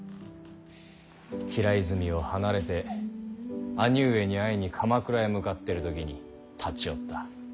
平泉を離れて兄上に会いに鎌倉へ向かってる時に立ち寄った。